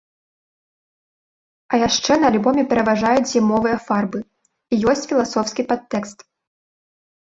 А яшчэ на альбоме пераважаюць зімовыя фарбы і ёсць філасофскі падтэкст.